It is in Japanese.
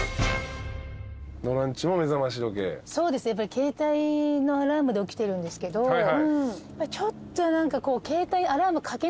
携帯のアラームで起きてるんですけどちょっと何か。